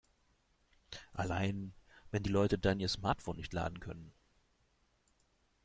Allein, wenn die Leute dann ihr Smartphone nicht laden können.